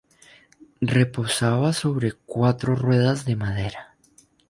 Reposaba sobre cuatro ruedas de madera.